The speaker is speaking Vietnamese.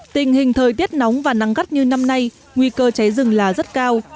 tình hình thời tiết nóng và nắng gắt như năm nay nguy cơ cháy rừng là rất cao